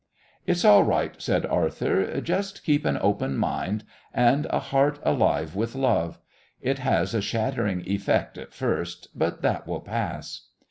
"It's all right," said Arthur; "just keep an open mind and a heart alive with love. It has a shattering effect at first, but that will pass."